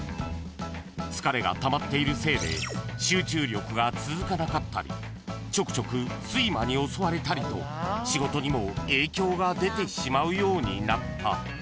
［疲れがたまっているせいで集中力が続かなかったりちょくちょく睡魔に襲われたりと仕事にも影響が出てしまうようになった］